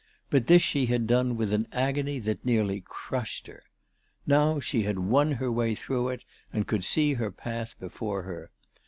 But this she had done with an agony that nearly crushed her. Now she had won her way through it, and could see her path before her.